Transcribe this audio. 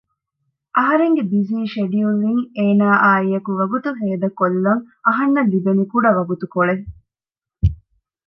އަހަރެންގެ ބިޒީ ޝެޑިއުލްއިން އޭނައާއިއެކު ވަގުތު ހޭދަކޮށްލަން އަހަންނަށް ލިބެނީ ކުޑަ ވަގުތުކޮޅެއް